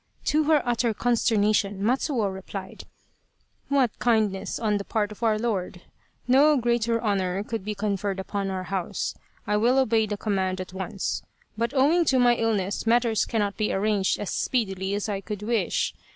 To her utter consternation Matsuo replied :" What kindness on the part of our lord ! No greater honour could be conferred upon our house. I will obey the command at once. But owing to my illness matters cannot be arranged as speedily as I could wish.